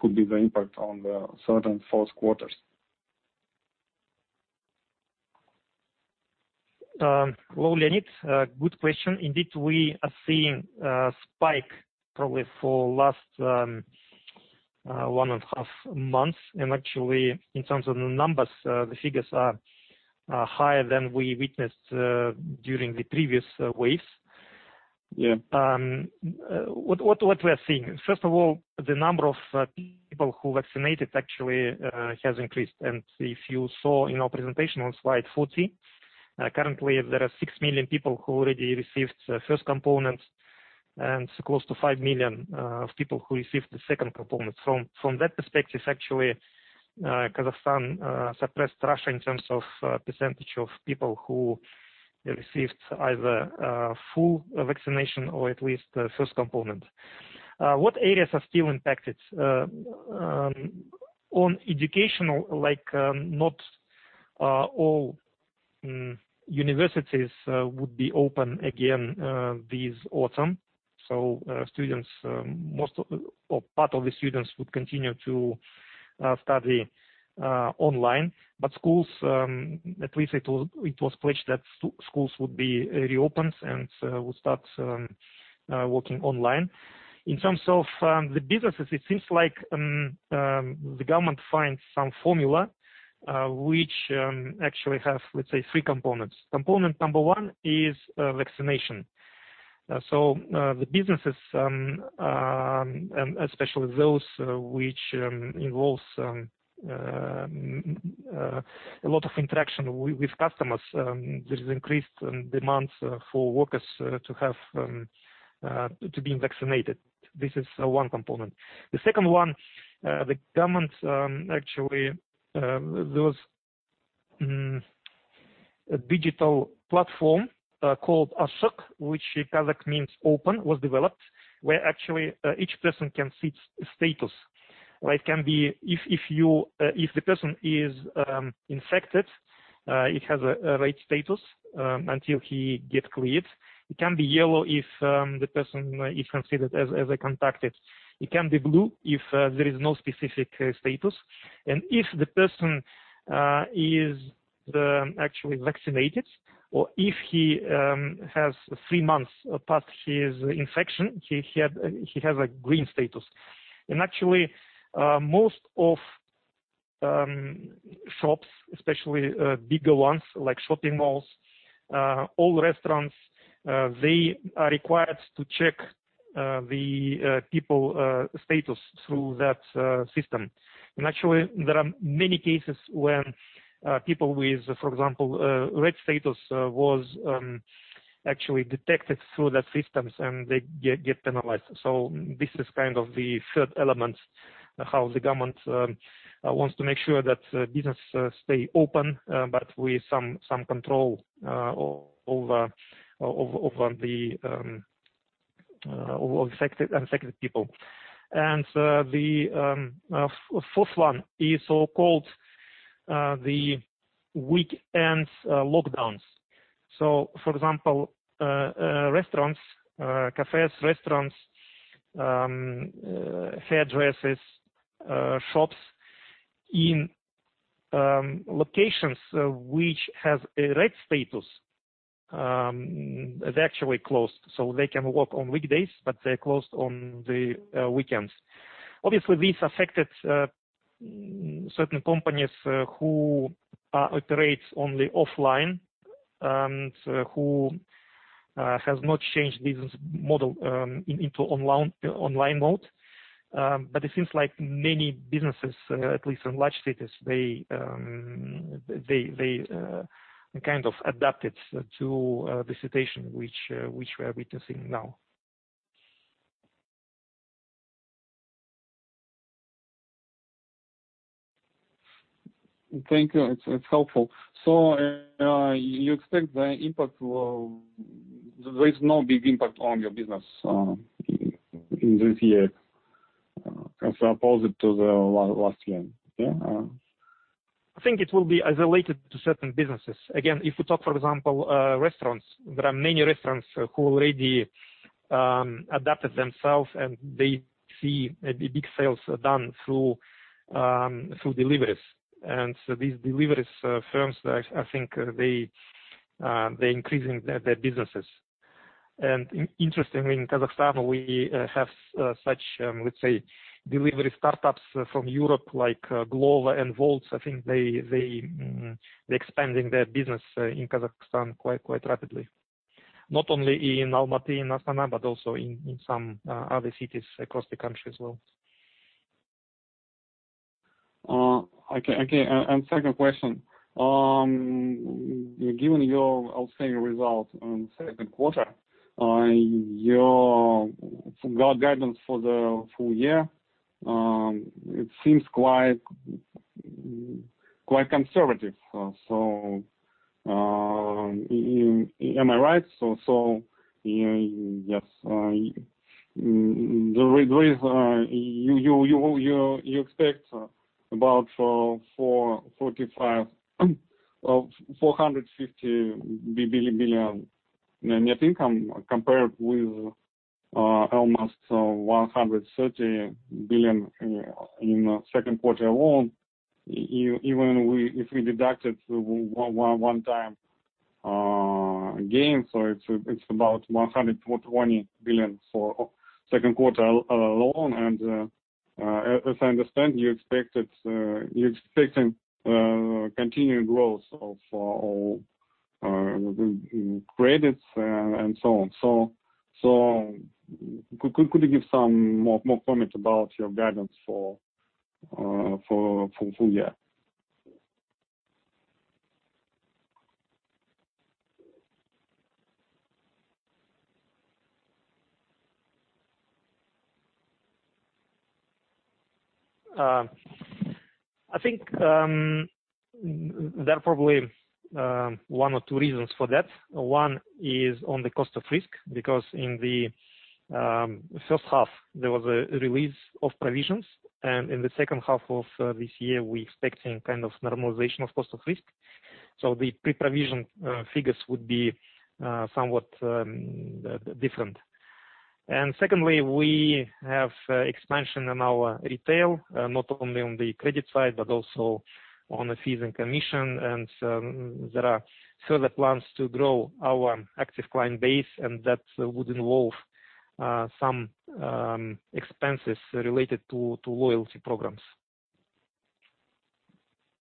could be the impact on the third and fourth quarters?
Hello, Leonid. Good question. Indeed, we are seeing a spike probably for the last one and a half months. Actually, in terms of numbers, the figures are higher than we witnessed during the previous waves.
Yeah.
What we are seeing, first of all, the number of people who vaccinated actually has increased. If you saw in our presentation on slide 40, currently there are 6 million people who already received the first component, and close to 5 million people who received the second component. From that perspective, actually, Kazakhstan surpassed Russia in terms of percentage of people who received either full vaccination or at least the first component. What areas are still impacted? On educational, not all universities would be open again this autumn. Part of the students would continue to study online. At least it was pledged that schools would be reopened and would start working online. In terms of the businesses, it seems like the government found some formula, which actually have, let's say, three components. Component number one is vaccination. The businesses, and especially those which involve a lot of interaction with customers, there is increased demand for workers to be vaccinated. The second one, the government actually, there was a digital platform called Ashyq, which in Kazakh means open, was developed, where actually each person can see his status, right? If the person is infected, it has a red status until he gets cleared. It can be yellow if the person is considered as a contacted. It can be blue if there is no specific status. If the person is actually vaccinated, or if he has three months past his infection, he has a green status. Actually, most of shops, especially bigger ones like shopping malls, all restaurants, they are required to check the people status through that system. Actually, there are many cases when people with, for example, a red status was actually detected through that systems, and they get penalized. This is kind of the third element, how the government wants to make sure that business stay open, but with some control over the infected people. The fourth one is so-called the weekends lockdowns. For example, cafes, restaurants, hairdressers, shops in locations which have a red status, they actually closed. They can work on weekdays, but they're closed on the weekends. Obviously, this affected certain companies who operate only offline, and who has not changed business model into online mode. It seems like many businesses, at least in large cities, they kind of adapted to the situation which we are witnessing now.
Thank you. It's helpful. You expect there is no big impact on your business in this year as opposed to the last year, yeah?
I think it will be isolated to certain businesses. If we talk, for example, restaurants, there are many restaurants who already adapted themselves, and they see a big sales done through deliveries. These deliveries firms, I think they're increasing their businesses. Interestingly, in Kazakhstan, we have such, let's say, delivery startups from Europe, like Glovo and Wolt. I think they're expanding their business in Kazakhstan quite rapidly. Not only in Almaty and Astana, but also in some other cities across the country as well.
Okay. Second question. Given your outstanding results on second quarter, your guidance for the full year, it seems quite conservative. Am I right? Yes. The rate you expect about KZT 450 billion in net income compared with almost KZT 130 billion in second quarter alone. Even if we deducted one-time gain, it is about KZT 120 billion for second quarter alone. As I understand, you are expecting continued growth of credits and so on. Could you give some more comment about your guidance for full year?
I think there are probably one or two reasons for that. One is on the cost of risk, because in the first half, there was a release of provisions, and in the second half of this year, we're expecting kind of normalization of cost of risk. The pre-provision figures would be somewhat different. Secondly, we have expansion in our retail, not only on the credit side, but also on the fees and commission. There are further plans to grow our active client base, and that would involve some expenses related to loyalty programs.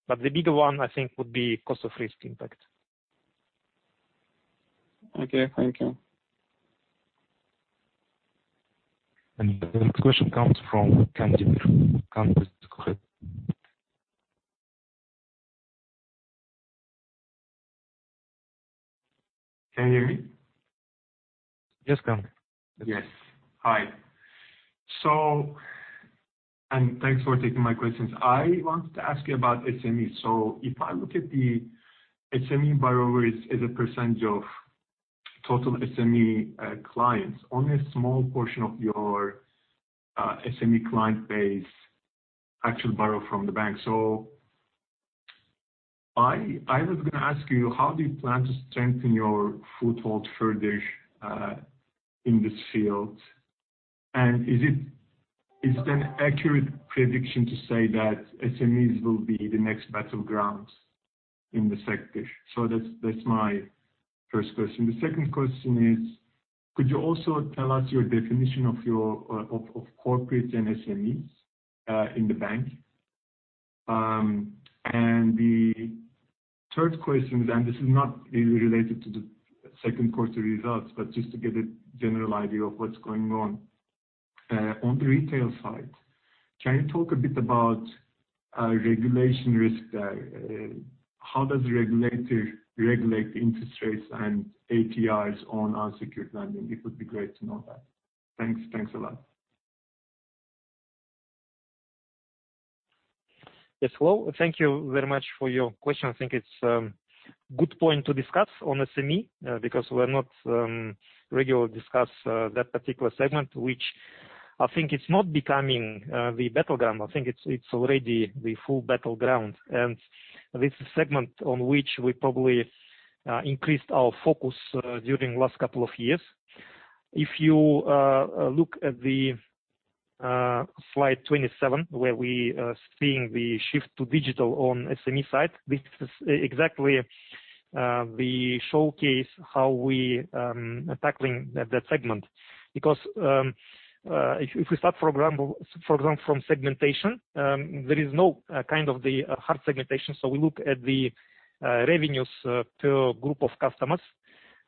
The bigger one, I think, would be cost of risk impact.
Okay. Thank you.
The next question comes from Can Demir. Can Demir, go ahead.
Can you hear me?
Yes, Kander.
Yes. Hi. Thanks for taking my questions. I wanted to ask you about SMEs. If I look at the SME borrowers as a percentage of total SME clients, only a small portion of your SME client base actually borrow from the bank. I was going to ask you, how do you plan to strengthen your foothold further in this field? Is that an accurate prediction to say that SMEs will be the next battlegrounds in the sector? That's my first question. The second question is, could you also tell us your definition of corporates and SMEs in the bank? The third question, this is not really related to the second quarter results, but just to get a general idea of what's going on. On the retail side, can you talk a bit about regulation risk there? How does regulator regulate interest rates and APRs on unsecured lending? It would be great to know that. Thanks. Thanks a lot.
Yes. Well, thank you very much for your question. I think it's good point to discuss on SME because we're not regularly discuss that particular segment, which I think it's not becoming the battleground. I think it's already the full battleground. This is a segment on which we probably increased our focus during last couple of years. If you look at the slide 27, where we are seeing the shift to digital on SME side, this is exactly the showcase how we are tackling that segment. If we start, for example, from segmentation, there is no kind of the hard segmentation, so we look at the revenues per group of customers.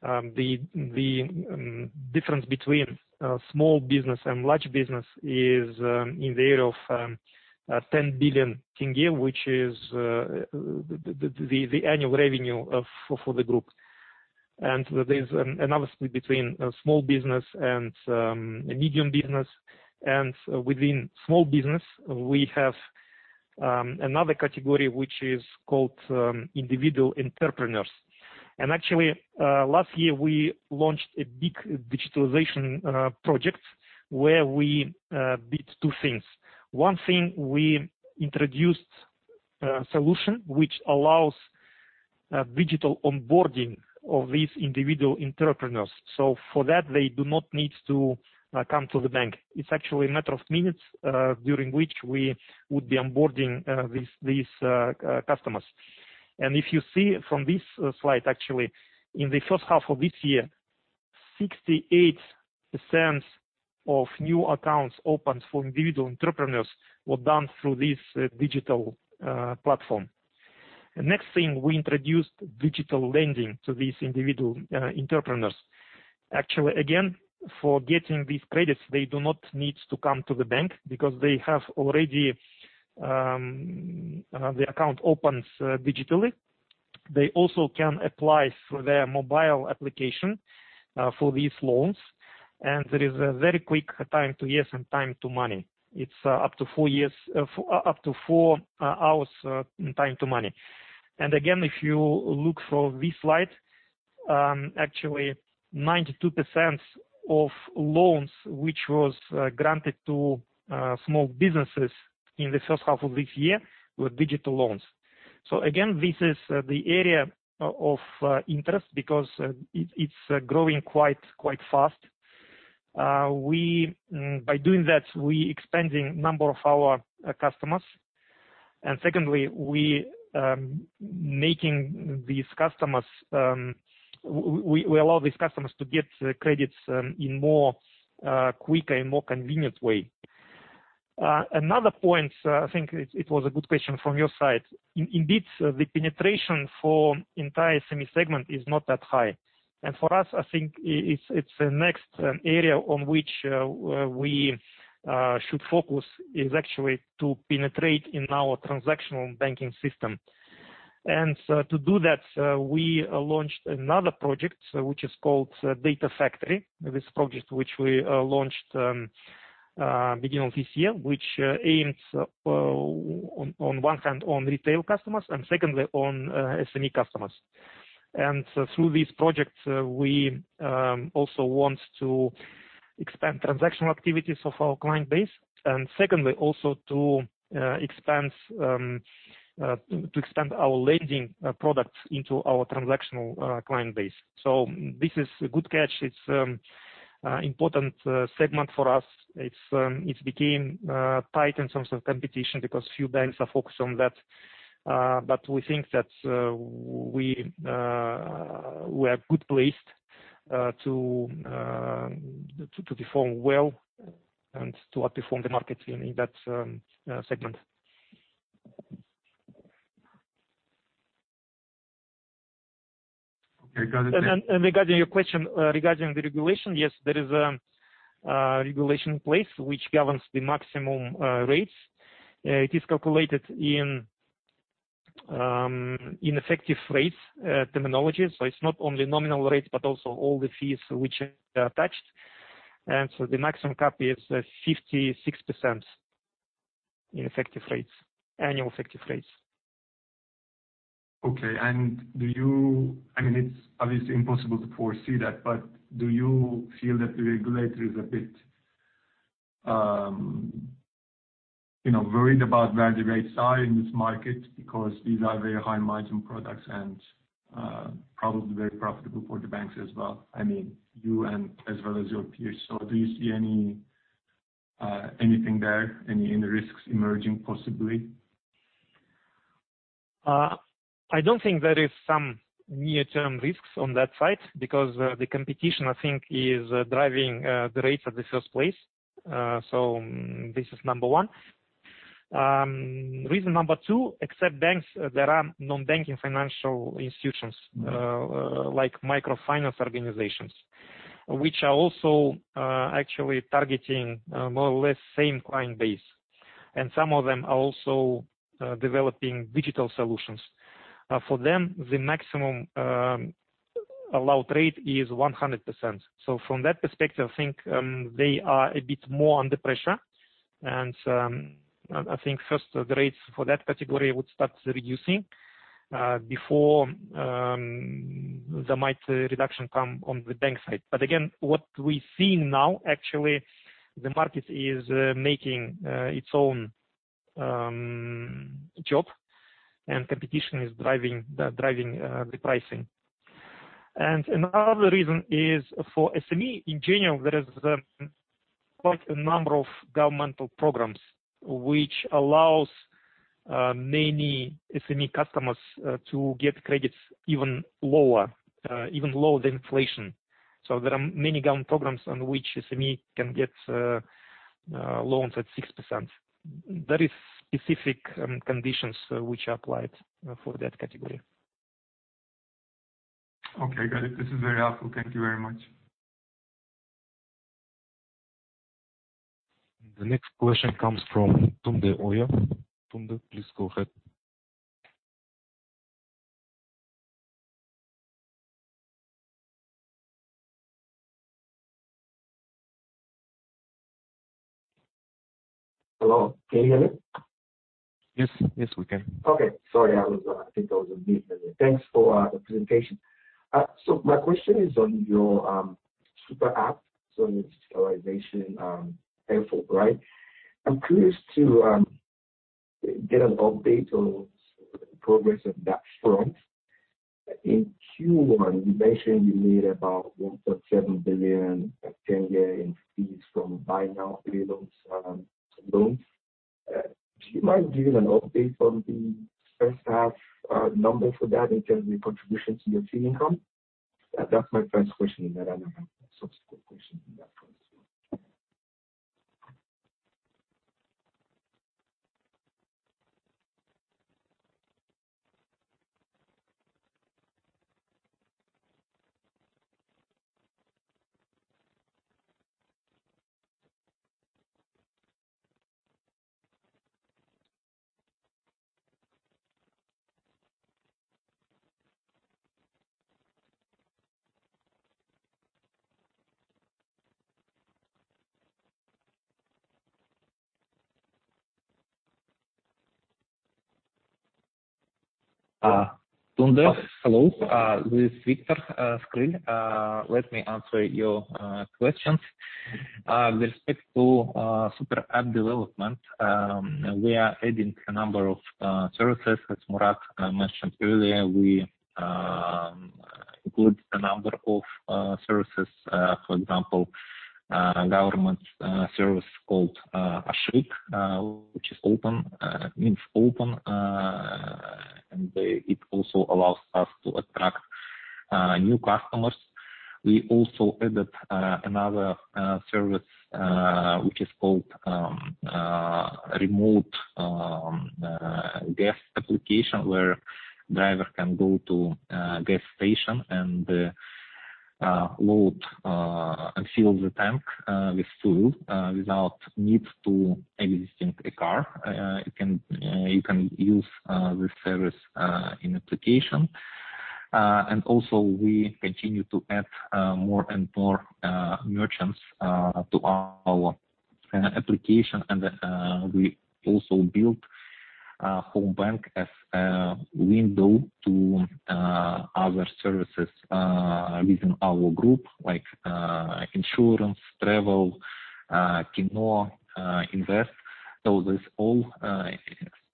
The difference between small business and large business is in the area of KZT 10 billion, which is the annual revenue for the group. There's an obviously between small business and medium business. Within small business, we have another category, which is called individual entrepreneurs. Actually, last year, we launched a big digitalization project where we did two things. One thing, we introduced a solution which allows digital onboarding of these individual entrepreneurs. For that, they do not need to come to the bank. It's actually a matter of minutes during which we would be onboarding these customers. If you see from this slide, actually, in the first half of this year, 68% of new accounts opened for individual entrepreneurs were done through this digital platform. The next thing, we introduced digital lending to these individual entrepreneurs. Actually, again, for getting these credits, they do not need to come to the bank because they have already the account opens digitally. They also can apply through their mobile application for these loans. There is a very quick time to yes and time to money. It's up to four hours time to money. Again, if you look for this slide, actually 92% of loans, which was granted to small businesses in the first half of this year, were digital loans. Again, this is the area of interest because it's growing quite fast. By doing that, we're expanding the number of our customers. Secondly, we allow these customers to get credits in a quicker and more convenient way. Another point, I think it was a good question from your side. Indeed, the penetration for the entire SME segment is not that high. For us, I think it's the next area on which we should focus is actually to penetrate in our transactional banking system. To do that, we launched another project, which is called Data Factory. This project, which we launched beginning of this year, which aims on one hand on retail customers, and secondly on SME customers. Through this project, we also want to expand transactional activities of our client base, and secondly, also to expand our lending products into our transactional client base. This is a good catch. It's an important segment for us. It became tight in terms of competition because few banks are focused on that. We think that we are good placed to perform well and to outperform the market in that segment.
Okay, got it.
Regarding your question regarding the regulation, yes, there is a regulation in place which governs the maximum rates. It is calculated in effective rates terminology, so it's not only nominal rates, but also all the fees which are attached. The maximum cap is 56% in effective rates, annual effective rates.
Okay. It's obviously impossible to foresee that, do you feel that the regulator is a bit worried about where the rates are in this market? Because these are very high margin products and probably very profitable for the banks as well. I mean, you as well as your peers. Do you see anything there, any risks emerging possibly?
I don't think there is some near-term risks on that side because the competition, I think, is driving the rates at the first place. This is number one. Reason number two, except banks, there are non-banking financial institutions like microfinance organizations, which are also actually targeting more or less the same client base. Some of them are also developing digital solutions. For them, the maximum allowed rate is 100%. From that perspective, I think they are a bit more under pressure. I think first, the rates for that category would start reducing before there might be a reduction come on the bank side. Again, what we're seeing now, actually, the market is making its own job and competition is driving the pricing. Another reason is for SME in general, there is quite a number of governmental programs which allows many SME customers to get credits even lower than inflation. There are many government programs on which SME can get loans at 6%. There is specific conditions which are applied for that category.
Okay, got it. This is very helpful. Thank you very much.
The next question comes from Tunde Oyewale. Tunde, please go ahead.
Hello, can you hear me?
Yes, we can.
Okay. Sorry, I think I was on mute earlier. Thanks for the presentation. My question is on your super app. Your digitalization effort, right? I am curious to get an update on progress on that front. In Q1, you mentioned you made about KZT 1.7 billion tenge in fees from buy now, pay later loans. Do you mind giving an update on the first half numbers for that in terms of the contribution to your fee income? That is my first question, and then I have a subsequent question on that as well.
Tunde, hello. This is Viktor Skryl. Let me answer your questions. With respect to super app development, we are adding a number of services. As Murat mentioned earlier, we included a number of services, for example, government service called Ashyq, which means open. It also allows us to attract new customers. We also added another service, which is called remote guest application, where driver can go to gas station and load and fill the tank with fuel without need to exiting a car. You can use this service in application. Also, we continue to add more and more merchants to our application. We also built Homebank as a window to other services within our group, like insurance, Travel, Kino.kz, Invest.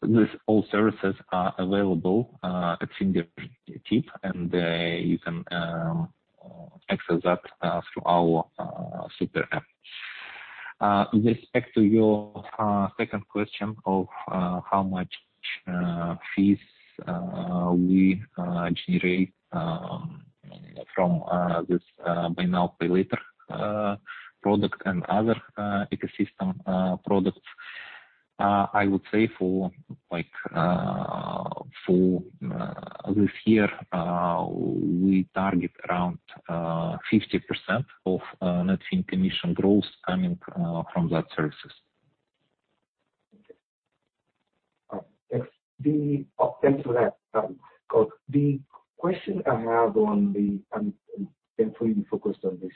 These all services are available at fingertip. You can access that through our super app. With respect to your second question of how much fees we generate from this buy now, pay later product and other ecosystem products. I would say for this year, we target around 50% of net fee and commission growth coming from that services.
Okay. Thanks for that. The question I have, and hopefully you focused on this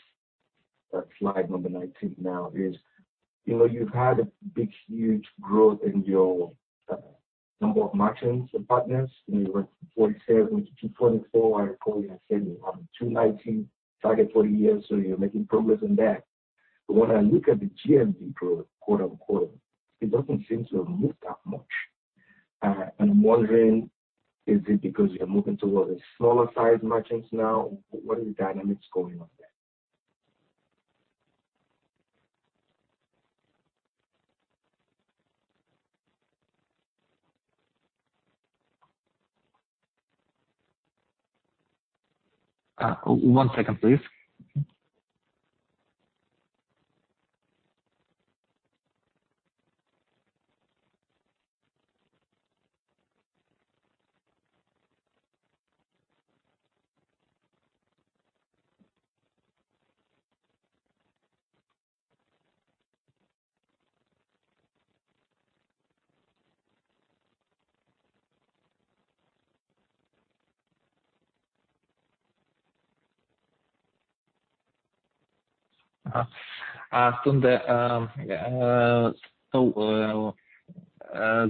slide number 19 now is, you've had a big, huge growth in your number of merchants and partners. You went from 47 to 224. I recall you had said you have 219 target for the year, so you're making progress on that. When I look at the GMV growth, quote, unquote, It doesn't seem to have moved that much. I'm wondering, is it because you're moving towards a smaller size merchants now? What are the dynamics going on there?
One second, please. Tunde,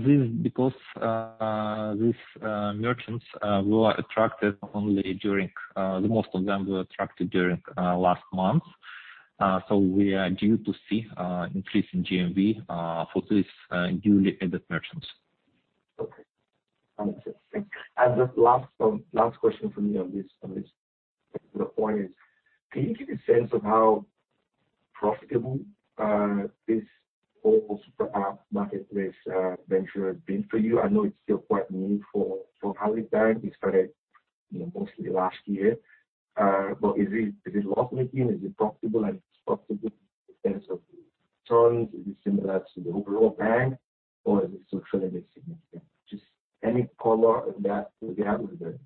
this is because these merchants were attracted, the most of them were attracted during last month. We are due to see increase in GMV for these newly added merchants.
Okay. Understood. Thanks. The last question from me on this point is, can you give me a sense of how profitable this whole super app marketplace venture has been for you? I know it's still quite new for Halyk Bank. It started mostly last year. Is it loss-making? Is it profitable? If it's profitable, in sense of returns, is it similar to the overall bank or is it still fairly insignificant? Just any color on that would be helpful. Thanks.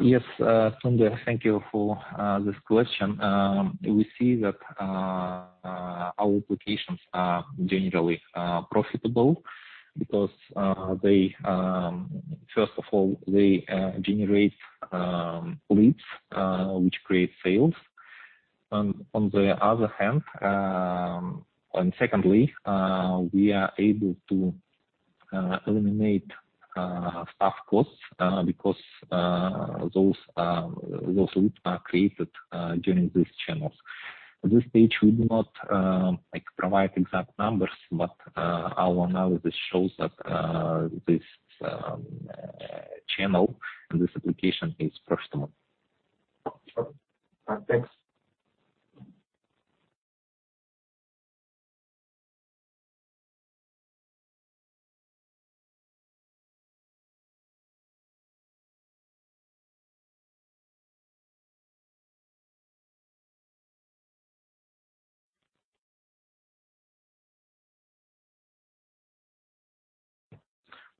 Yes. Tunde, thank you for this question. We see that our applications are generally profitable because first of all, they generate leads, which create sales. On the other hand, and secondly, we are able to eliminate staff costs because those leads are created during these channels. At this stage, we do not provide exact numbers, but our analysis shows that this channel and this application is profitable.
Sure. Thanks.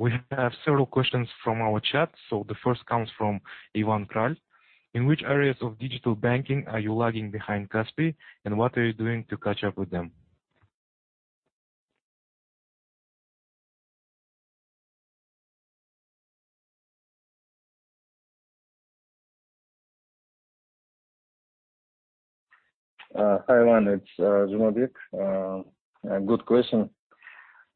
We have several questions from our chat. The first comes from Ivan Kralj. In which areas of digital banking are you lagging behind Kaspi.kz, and what are you doing to catch up with them?
Hi, everyone. It's Zhumabek. Good question.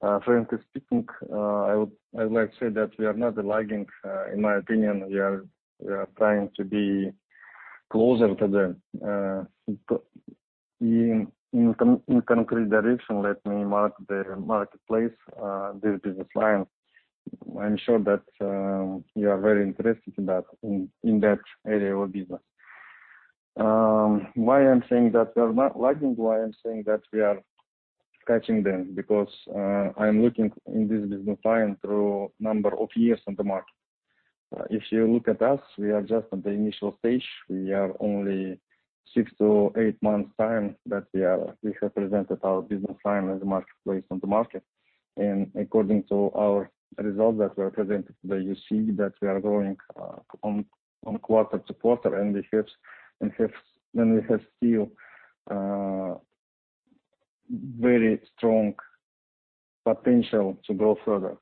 Frankly speaking, I would like to say that we are not lagging. In my opinion, we are trying to be closer to the concrete direction. Let me mark the marketplace, this business line. I'm sure that you are very interested in that area of business. Why I'm saying that we are not lagging, why I'm saying that we are catching them, because I am looking in this business line through number of years on the market. If you look at us, we are just at the initial stage. We are only six to eight months time that we have presented our business line as a marketplace on the market. According to our results that were presented today, you see that we are growing on quarter-to-quarter, and we have still very strong potential to grow further.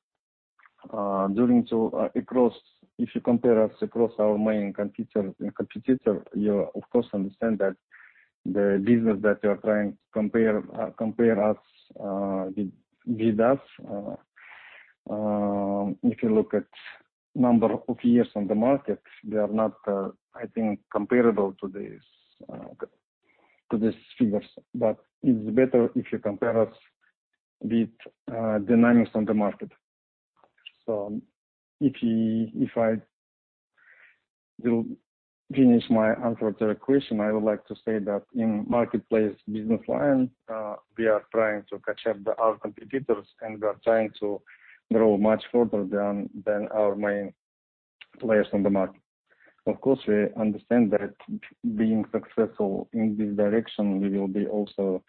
If you compare us across our main competitor, you of course understand that the business that you are trying to compare with us, if you look at number of years on the market, they are not, I think, comparable to these figures. It's better if you compare us with dynamics on the market. If I will finish my answer to the question, I would like to say that in marketplace business line, we are trying to catch up with our competitors, and we are trying to grow much further than our main players on the market. Of course, we understand that being successful in this direction, we will be also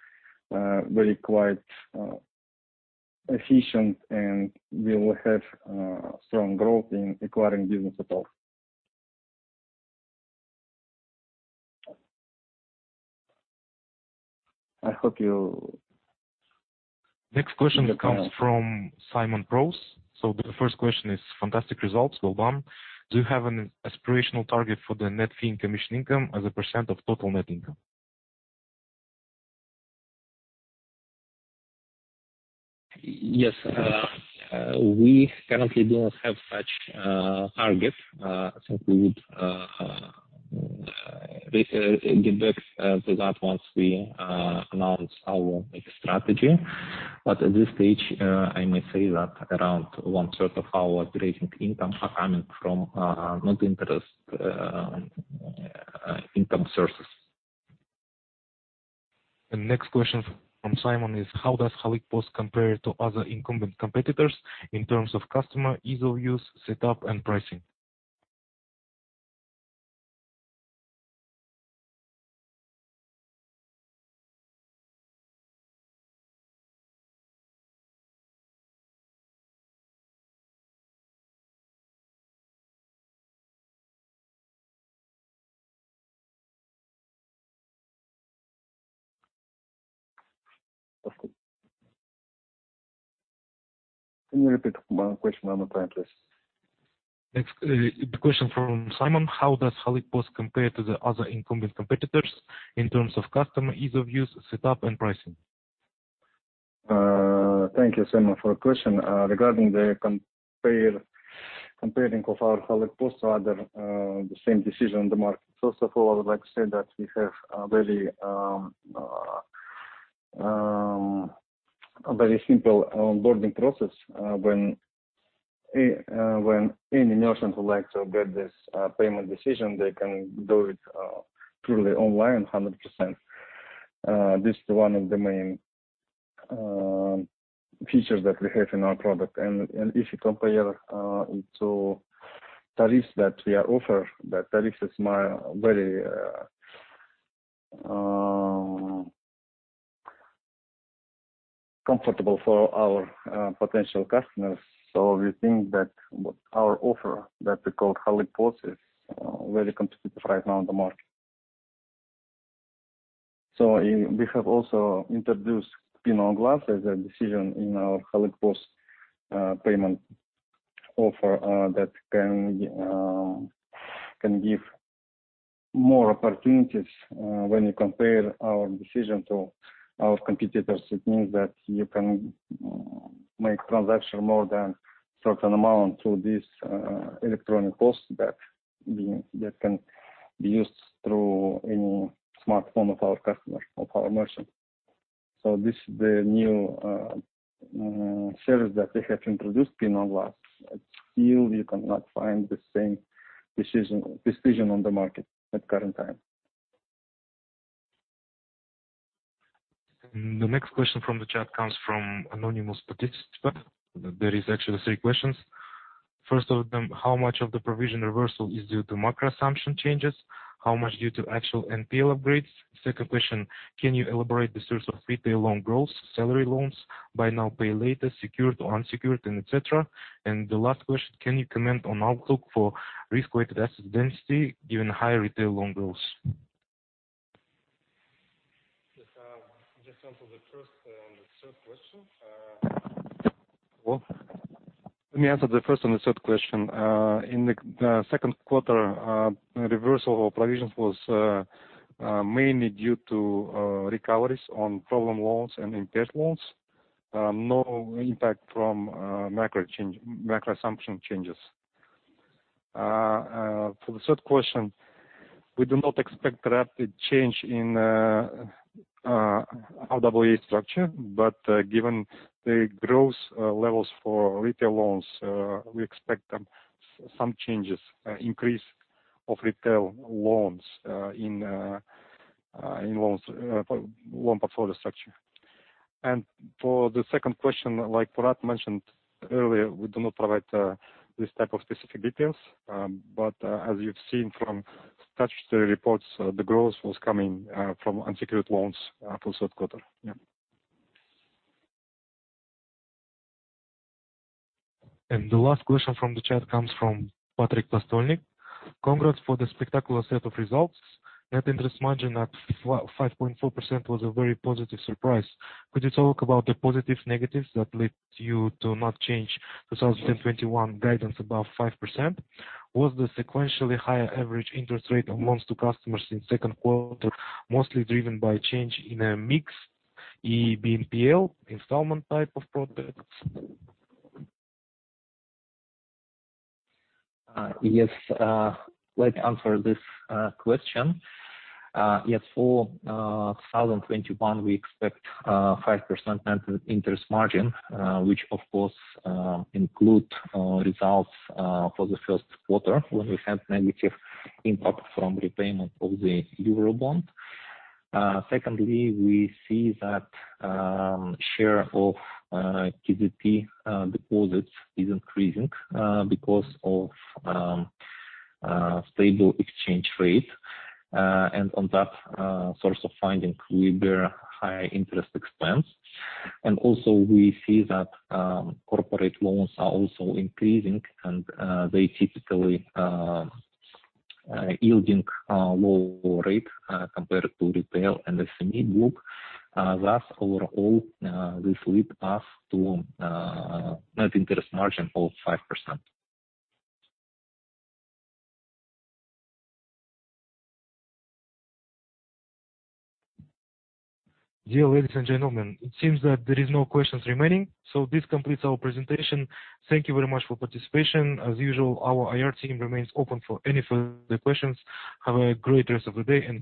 very quite efficient, and we will have strong growth in acquiring business at all.
Next question comes from Simon Ploense. The first question is, fantastic results. Well done. Do you have an aspirational target for the net fee and commission income as a % of total net income?
Yes. We currently do not have such target. We would get back to that once we announce our next strategy. At this stage, I may say that around one third of our operating income are coming from non-interest income sources.
The next question from Simon is, how does Halyk POS compare to other incumbent competitors in terms of customer, ease of use, setup and pricing?
Can you repeat one question one more time, please?
Next question from Simon. How does Halyk POS compare to the other incumbent competitors in terms of customer, ease of use, setup and pricing?
Thank you, Simon, for your question. Regarding the comparing of our Halyk POS to other the same decision on the market. First of all, I would like to say that we have a very simple onboarding process. When any merchant who likes to get this payment decision, they can do it purely online 100%. This is one of the main features that we have in our product. If you compare it to tariffs that we are offer, that tariffs is very comfortable for our potential customers. We think that our offer that we call Halyk POS is very competitive right now on the market. We have also introduced PIN on Glass as a decision in our Halyk POS payment offer that can give more opportunities when you compare our decision to our competitors. It means that you can make transaction more than certain amount through this electronic POS that can be used through any smartphone of our customer, of our merchant. This is the new service that we have introduced, PIN on Glass. Still you cannot find the same decision on the market at current time.
The next question from the chat comes from anonymous participant. There is actually three questions. First of them, how much of the provision reversal is due to macro assumption changes? How much due to actual NPL upgrades? Second question, can you elaborate the source of retail loan growth, salary loans, buy now, pay later, secured or unsecured, and et cetera? The last question, can you comment on outlook for risk-weighted asset density given high retail loan growth?
First on the third question. Let me answer the first and the third question. In the second quarter, reversal of provisions was mainly due to recoveries on problem loans and impaired loans. No impact from macro assumption changes. For the third question, we do not expect rapid change in RWA structure, but given the growth levels for retail loans, we expect some changes, increase of retail loans in loan portfolio structure. For the second question, like Murat mentioned earlier, we do not provide this type of specific details. As you've seen from statutory reports, the growth was coming from unsecured loans for third quarter. Yeah.
The last question from the chat comes from Patrick Pastollnigg. Congrats for the spectacular set of results. Net interest margin at 5.4% was a very positive surprise. Could you talk about the positive negatives that led you to not change 2021 guidance above 5%? Was the sequentially higher average interest rate on loans to customers in second quarter mostly driven by change in a mix, i.e., BNPL, installment type of products?
Yes. Let's answer this question. For 2021, we expect 5% net interest margin, which of course include results for the first quarter when we had negative impact from repayment of the Eurobond. Secondly, we see that share of KZT deposits is increasing because of stable exchange rate. On that source of funding, we bear high interest expense. Also we see that corporate loans are also increasing, and they typically yielding lower rate compared to retail and SME group. Overall, this lead us to net interest margin of 5%.
Dear ladies and gentlemen, it seems that there is no questions remaining. This completes our presentation. Thank you very much for participation. As usual, our IR Team remains open for any further questions. Have a great rest of the day and bye.